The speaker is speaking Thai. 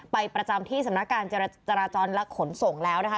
ประจำที่สำนักการจราจรและขนส่งแล้วนะคะ